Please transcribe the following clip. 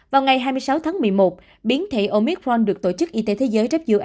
vào ngày hai mươi sáu tháng một mươi một biến thể omicron được tổ chức y tế thế giới